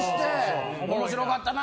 面白かったな。